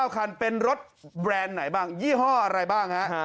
๙คันเป็นรถแบรนด์ไหนบ้างยี่ห้ออะไรบ้างฮะ